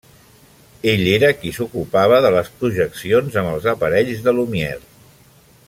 Ell era qui s'ocupava de les projeccions amb els aparells de Lumière.